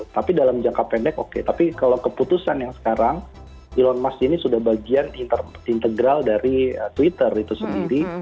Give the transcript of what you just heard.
tapi dalam jangka pendek oke tapi kalau keputusan yang sekarang elon musk ini sudah bagian integral dari twitter itu sendiri